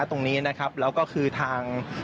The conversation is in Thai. มาดูบรรจากาศมาดูความเคลื่อนไหวที่บริเวณหน้าสูตรการค้า